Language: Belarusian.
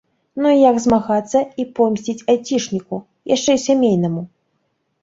Ну як змагацца і помсціць айцішніку, яшчэ і сямейнаму?